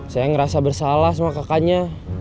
saya ngerasa bersalah sama kakaknya